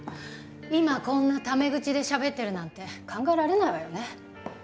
今こんなタメ口でしゃべってるなんて考えられないわよね。